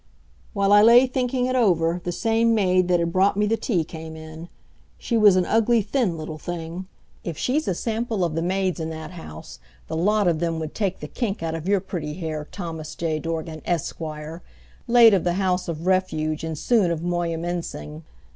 While I lay thinking it over, the same maid that had brought me the tea came in. She was an ugly, thin little thing. If she's a sample of the maids in that house, the lot of them would take the kink out of your pretty hair, Thomas J. Dorgan, Esquire, late of the House of Refuge and soon of Moyamensing.